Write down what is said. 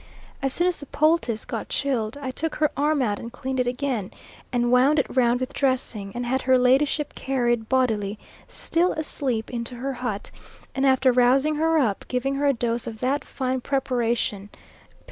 As soon as the poultice got chilled I took her arm out and cleaned it again, and wound it round with dressing, and had her ladyship carried bodily, still asleep, into her hut, and after rousing her up, giving her a dose of that fine preparation, pil.